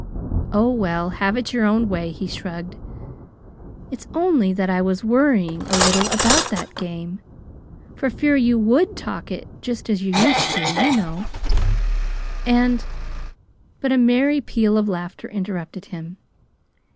"Oh, well, have it your own way," he shrugged. "It's only that I was worrying a little about that game, for fear you WOULD talk it just as you used to, you know, and " But a merry peal of laughter interrupted him.